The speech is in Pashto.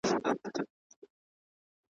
چي دهقان ته په لاس ورنه سي تارونه ,